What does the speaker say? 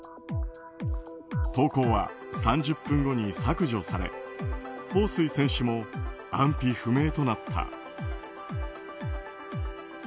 投稿は３０分後に削除されホウ・スイ選手も安否不明となった。